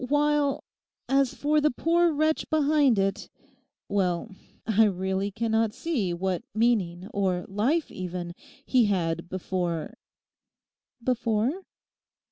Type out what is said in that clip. While as for the poor wretch behind it, well, I really cannot see what meaning, or life even, he had before—' 'Before?